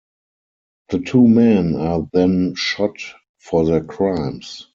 The two men are then shot for their crimes.